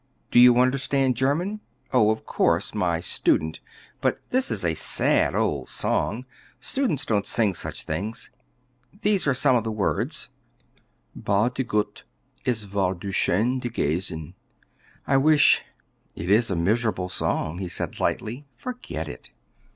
"Do you understand German? Oh, of course, my student; but this is a sad old song; students don't sing such things. These are some of the words: 'Beh te Gott! es war zu schoen gewesen.' I wish " "It is a miserable song," he said lightly; "forget it."